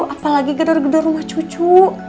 apalagi gedar gedar rumah cucu